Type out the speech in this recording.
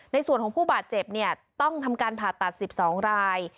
ในส่วนของผู้บาดเจ็บเนี่ยต้องทำการผ่าตัด๑๒ราย